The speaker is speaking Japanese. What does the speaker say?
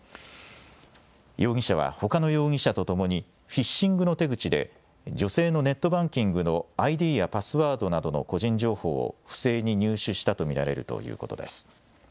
容疑者は、ほかの容疑者と共にフィッシングの手口で女性のネットバンキングのＩＤやパスワードなどの個人情報を不正に入手したと見られるということです。